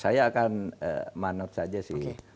saya akan manot saja sih